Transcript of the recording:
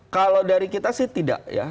kalau dari kita sih tidak ya